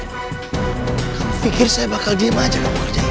kamu pikir saya bakal diem aja gak mau kerjain